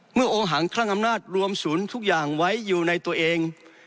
โอหังคลั่งอำนาจรวมศูนย์ทุกอย่างไว้อยู่ในตัวเอง